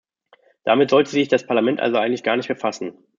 Damit sollte sich das Parlament also eigentlich gar nicht befassen.